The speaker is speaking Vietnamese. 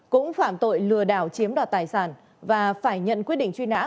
cũng phạm tội lừa đảo chiếm đoạt tài sản và phải nhận quyết định truy nã